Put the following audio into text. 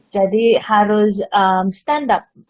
jadi harus stand up